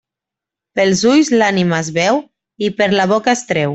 Pels ulls l'ànima es veu, i per la boca es treu.